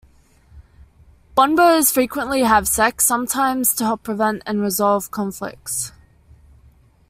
Bonobos frequently have sex, sometimes to help prevent and resolve conflicts.